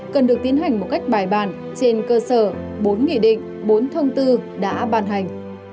cần được tiến hành một cách bài bàn trên cơ sở bốn nghị định bốn thông tư đã ban hành